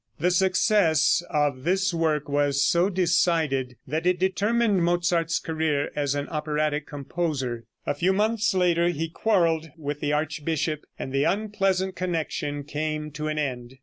The success of this work was so decided that it determined Mozart's career as an operatic composer. A few months later he quarreled with the archbishop, and the unpleasant connection came to an end.